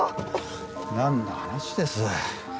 なんの話です？